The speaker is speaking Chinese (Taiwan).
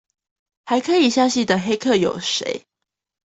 還可以相信的黑客有誰？